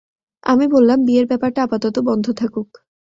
আমি বললাম, বিয়ের ব্যাপারটা আপাতত বন্ধ থাকুক।